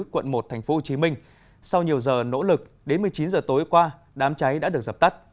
quận một tp hcm sau nhiều giờ nỗ lực đến một mươi chín h tối qua đám cháy đã được dập tắt